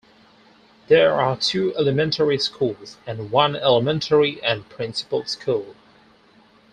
There are two elementary schools and one elementary- and principal school.